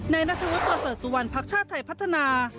นายนัทวุฒิประเสริฐสุวรรณภักดิ์ชาติไทยพัฒนา